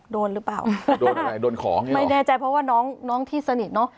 โดนหรือเปล่าโดนอะไรโดนของไงไม่แน่ใจเพราะว่าน้องน้องที่สนิทเนอะ